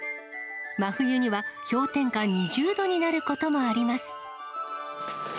真冬には、氷点下２０度になることもあります。